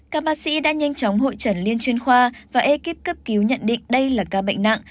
các bác sĩ đã nhanh chóng hội trần liên chuyên khoa và ekip cấp cứu nhận định đây là ca bệnh nặng